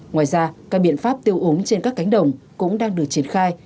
ngoài ra các biện pháp tiêu ống trên các cánh đồng cũng đang được triển khai